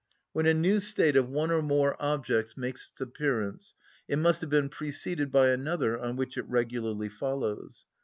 When a new state of one or more objects makes its appearance it must have been preceded by another on which it regularly follows.